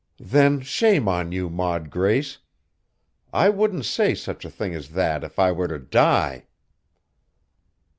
"Then, shame to you, Maud Grace! I wouldn't say such a thing as that if I were to die!"